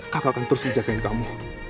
kakak akan terus menjagain kamu